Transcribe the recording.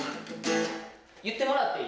言ってもらっていい？